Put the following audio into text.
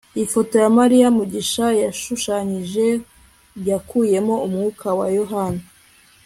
ifoto ya mariya mugisha yashushanyije yakuyemo umwuka wa yohana